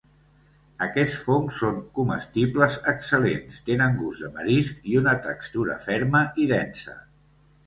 Aquests fongs són comestibles excel·lents, tenen gust de marisc i una textura ferma i densa.